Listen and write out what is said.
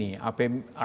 untuk membuat keuangan